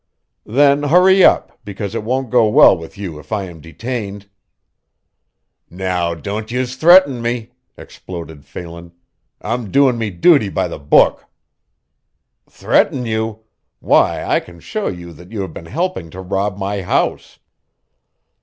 "Then hurry up, because it won't go well with you if I am detained." "Now, don't yez threaten me!" exploded Phelan. "I'm doin' me duty by the book." "Threaten you! Why, I can show you that you have been helping to rob my house."